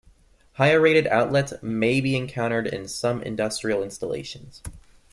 Higher rated outlets may be encountered in some industrial installations.